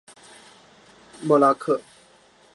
默拉克。